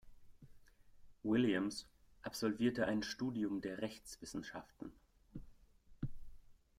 Williams absolvierte ein Studium der Rechtswissenschaften.